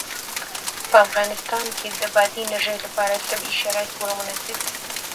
په افغانستان کې د بادي انرژي لپاره طبیعي شرایط پوره مناسب دي.